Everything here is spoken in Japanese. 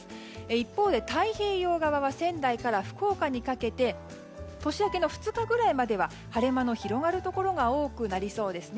一方で太平洋側は仙台から福岡にかけて年明けの２日ぐらいまでは晴れ間の広がるところが多くなりそうですね。